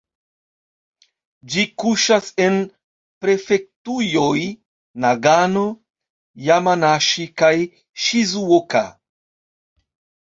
Ĝi kuŝas en prefektujoj Nagano, Jamanaŝi kaj Ŝizuoka.